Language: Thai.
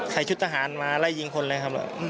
ชุดทหารมาไล่ยิงคนเลยครับ